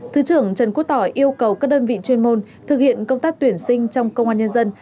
thứ trưởng trần quốc tỏ yêu cầu các đơn vị chuyên môn thực hiện công tác tuyển sinh trong công an nhân dân